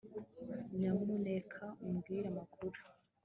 nyamuneka umbwire amakuru